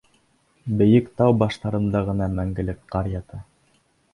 Бейек тау баштарында ғына мәңгелек ҡар ята.